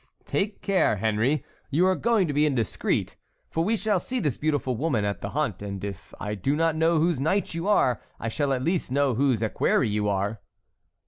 "Take care, Henry; you are going to be indiscreet, for we shall see this beautiful woman at the hunt; and if I do not know whose knight you are, I shall at least know whose equerry you are."